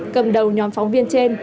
cầm đầu nhóm phóng viên trên